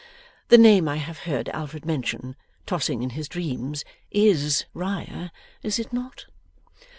The name I have heard Alfred mention, tossing in his dreams, IS Riah; is it not?